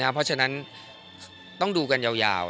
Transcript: เพราะฉะนั้นต้องดูกันยาว